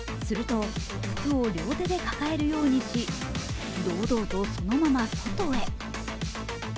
すると服を両手で抱えるようにし堂々とそのまま外へ。